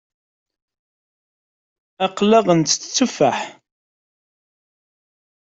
Aql-aɣ ntett tteffaḥ.